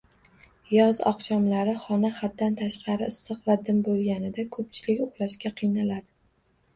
Yoz oqshomlari xona haddan tashqari issiq va dim bo`lganida ko`pchilik uxlashga qiynaladi.